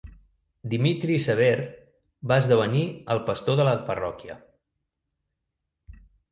Dimitri Sever va esdevenir el pastor de la parròquia.